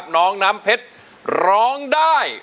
น้องน้ำเพชรร้องได้